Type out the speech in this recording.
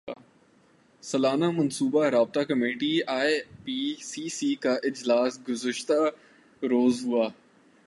سالانہ منصوبہ رابطہ کمیٹی اے پی سی سی کا اجلاس گزشتہ روز ہوا